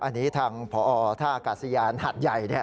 อันนี้ทางพศธกาศิยานคัต์ใหญ่